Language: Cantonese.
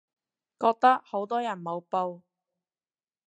覺得好多人冇報